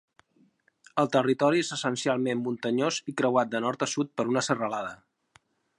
El territori és essencialment muntanyós i creuat de nord a sud per una serralada.